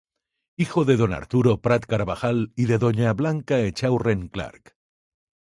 Hijo de don Arturo Prat Carvajal y de doña Blanca Echaurren Clark.